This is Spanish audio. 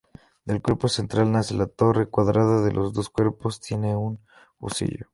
Del cuerpo central nace la torre, cuadrada y de dos cuerpos; tiene un husillo.